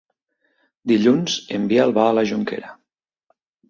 Dilluns en Biel va a la Jonquera.